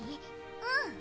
うん。